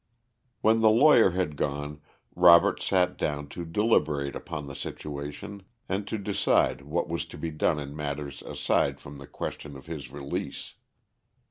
_ When the lawyer had gone Robert sat down to deliberate upon the situation and to decide what was to be done in matters aside from the question of his release.